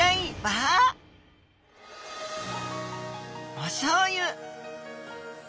おしょうゆ。